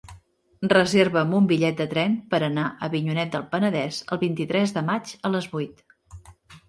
Reserva'm un bitllet de tren per anar a Avinyonet del Penedès el vint-i-tres de maig a les vuit.